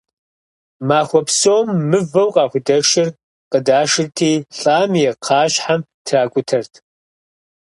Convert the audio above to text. Махуэ псом мывэу къахудэшыр къыдашырти, лӀам и кхъащхьэм тракӀутэрт.